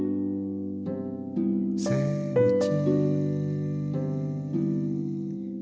「セイウチ」